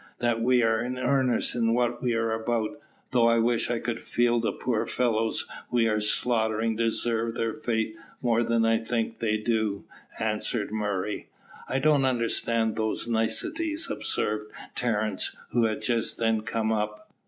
"That we are in earnest in what we are about; though I wish I could feel the poor fellows we are slaughtering deserved their fate more than I think they do," answered Murray. "I don't understand those niceties," observed Terence, who had just then come up.